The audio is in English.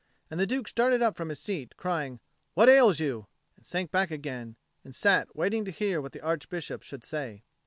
And the Duke started up from his seat, crying, "What ails you?" and sank back again, and sat waiting to hear what the Archbishop should say.